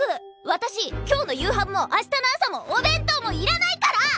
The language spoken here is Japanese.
私今日の夕飯も明日の朝もお弁当もいらないから！